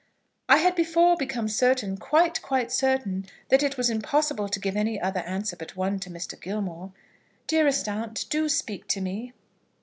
I had before become certain, quite, quite certain that it was impossible to give any other answer but one to Mr. Gilmore. Dearest aunt, do speak to me."